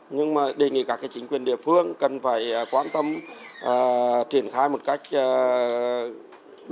nhưng đề nghị các chính quyền địa phương cần phải quan tâm triển khai một cách đầy đủ